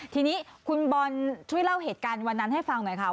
ทีนี้คุณบอลช่วยเล่าเหตุการณ์วันนั้นให้ฟังหน่อยค่ะ